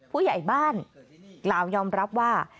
ผู้ใหญ่บ้านกล่าวยอมรับว่า